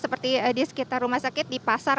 seperti di sekitar rumah sakit di pasar